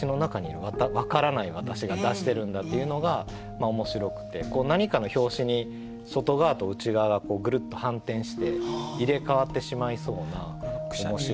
また「わからないわたし」が出してるんだっていうのが面白くて何かの拍子に外側と内側がぐるっと反転して入れ代わってしまいそうな面白さが。